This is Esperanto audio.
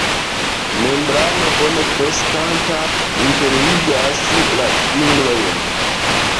Membrano bone kreskanta interligas la fingrojn.